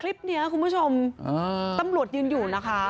คลิปนี้คุณผู้ชมตำรวจยืนอยู่นะคะ